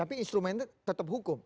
tapi instrumen tetap hukum